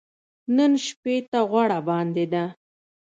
نن شپې ته غوړه باندې ده .